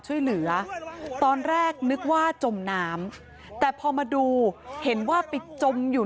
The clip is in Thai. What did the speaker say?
ช่วยเหลือตอนแรกนึกว่าจมน้ำแต่พอมาดูเห็นว่าไปจมอยู่